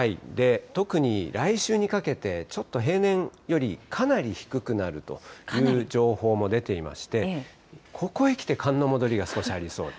特に来週にかけて、ちょっと平年よりかなり低くなるという情報も出ていまして、ここへきて寒の戻りが少しありそう。